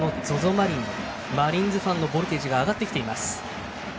マリンマリーンズファンのボルテージが上がってきています。